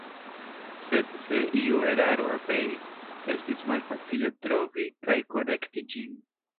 Sed se iu eraro aperis, estis malfacile trovi kaj korekti ĝin.